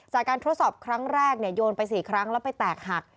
ทดสอบครั้งแรกโยนไป๔ครั้งแล้วไปแตกหัก